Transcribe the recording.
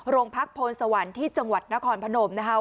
โรงพักโพนสวรรค์ที่จังหวัดนครพนมนะคะ